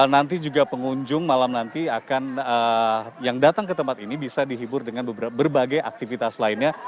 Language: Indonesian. nanti juga pengunjung malam nanti akan yang datang ke tempat ini bisa dihibur dengan berbagai aktivitas lainnya